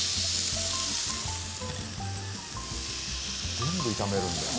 全部炒めるんだ。